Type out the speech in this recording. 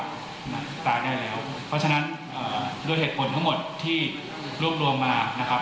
เพราะฉะนั้นด้วยเหตุผลทั้งหมดที่รวบรวมมา